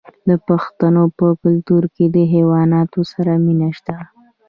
د پښتنو په کلتور کې د حیواناتو سره مینه شته.